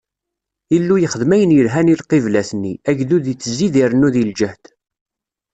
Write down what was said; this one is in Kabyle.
Illu yexdem ayen yelhan i lqiblat-nni, agdud ittzid irennu di lǧehd.